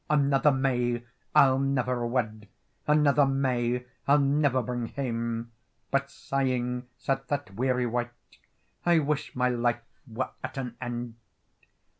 "Another may I'll never wed, Another may I'll never bring hame." But, sighing, said that weary wight— "I wish my life were at an end."